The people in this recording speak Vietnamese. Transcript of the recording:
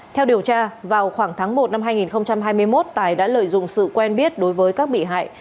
theo điều tra vào khoảng tháng một năm hai nghìn hai mươi một tài đã lợi dụng sự quen biết đối với các bị hại